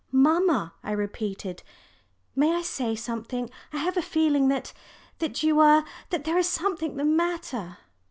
"Mamma," I repeated, "may I say something? I have a feeling that that you are that there is something the matter."